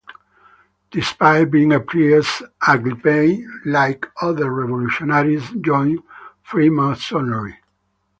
Despite being a priest, Aglipay, like other revolutionaries, joined Freemasonry.